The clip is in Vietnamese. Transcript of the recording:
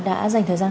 đã dành thời gian